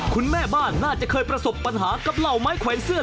คุณแม่บ้านน่าจะเคยประสบปัญหากับเหล่าไม้แขวนเสื้อ